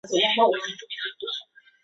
似横果薹草是莎草科薹草属的植物。